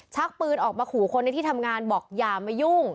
ชักปืนออกมาขู่คนในที่ทำงานบอกอย่ามายุ่ง